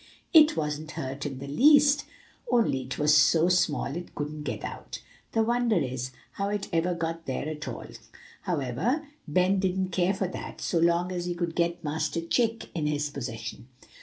It wasn't hurt in the least, only it was so small it couldn't get out. The wonder is, how it ever got there at all; however, Ben didn't care for that, so long as he could get Master Chick in his possession.